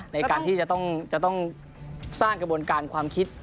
ในการที่จะต้องสร้างกระบวนการความคิด